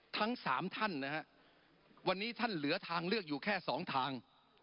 ทั้งสามท่านนะฮะวันนี้ท่านเหลือทางเลือกอยู่แค่๒ทาง